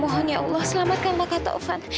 mohon ya allah selamatkanlah kak taufan